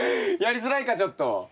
やりづらいかちょっと。